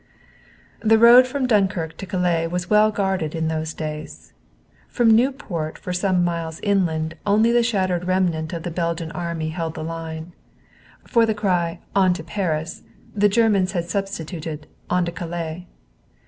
The road from Dunkirk to Calais was well guarded in those days. From Nieuport for some miles inland only the shattered remnant of the Belgian Army held the line. For the cry "On to Paris!" the Germans had substituted "On to Calais!"